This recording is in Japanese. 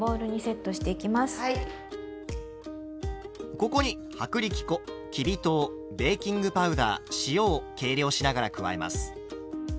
ここに薄力粉きび糖ベーキングパウダー塩を計量しながら加えます。